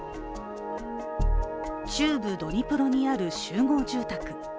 中部ドニプロにある集合住宅。